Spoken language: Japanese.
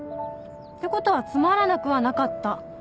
てことはつまらなくはなかった